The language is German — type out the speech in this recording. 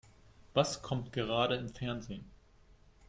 Was kommt gerade im Fernsehen?